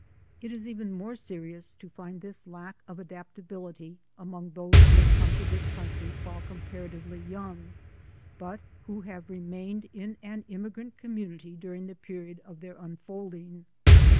It is even more serious to find this lack of adapt STILL MORE OBSTACLES 251 ability among those who have come to this country while comparatively young, but who have remained in an immigrant community during the period of their unfolding.